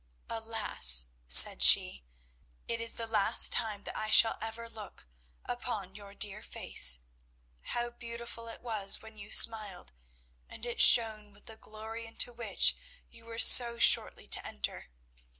"Alas," said she, "it is the last time that I shall ever look upon your dear face! How beautiful it was when you smiled, and it shone with the glory into which you were so shortly to enter.